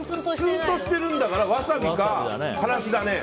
ツーンとしてるんだからワサビかからしだね。